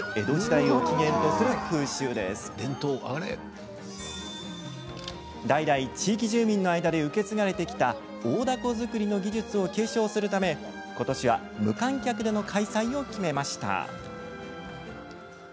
代々、地域住民の間で受け継がれてきた大凧作りの技術を継承するためことしは無観客での開催を決めました。